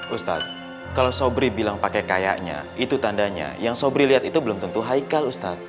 ustadz kalau sobri bilang pakai kayaknya itu tandanya yang sobri lihat itu belum tentu haikal ustadz